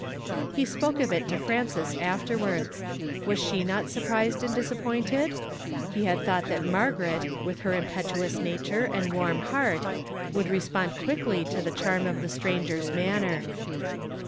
He spoke of it to Frances afterwards. Was she not surprised and disappointed? He had j hought that Margaret, with her impetuous nature "A man's HEAUT DEVISETH HIS WAY." 175 and warm heart, would respond quickly to the charui of the stranger's manner.